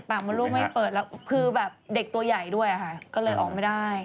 มดลูกไม่เปิดแล้วคือแบบเด็กตัวใหญ่ด้วยค่ะก็เลยออกไม่ได้